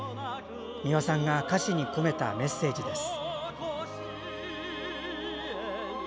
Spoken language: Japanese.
美輪さんが歌詞に込めたメッセージです。